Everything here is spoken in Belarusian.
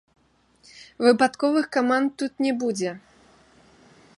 Выпадковых каманд тут не будзе.